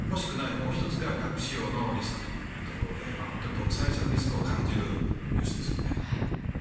もう１つが核使用のリスクというところで本当に独裁者のリスクを感じるニュースですね。